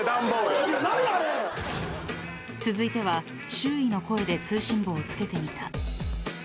何あれ⁉［続いては周囲の声で通信簿を付けてみた］